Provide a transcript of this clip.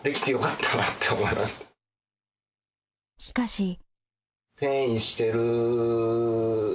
しかし。